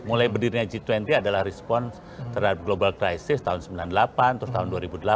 mulai berdirinya g dua puluh adalah respons terhadap global crisis tahun sembilan puluh delapan terus tahun dua ribu delapan